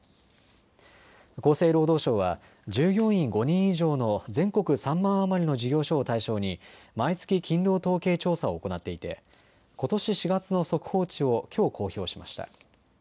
厚生労働省は従業員５人以上の全国３万余りの事業所を対象に毎月勤労統計調査を行っていてことし４月の速報値をきょう公表しました。